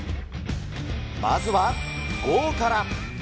まずは、剛から。